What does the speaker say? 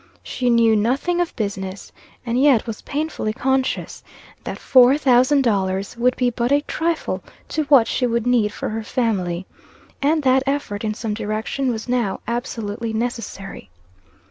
She knew nothing of business, and yet, was painfully conscious, that four thousand dollars would be but a trifle to what she would need for her family, and that effort in some direction was now absolutely necessary.